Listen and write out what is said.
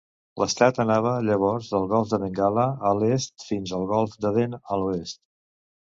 L'estat anava llavors del golf de Bengala a l'est fins al golf d'Aden a l'oest.